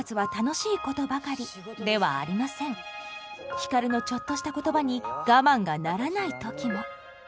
光のちょっとした言葉に我慢がならない時も。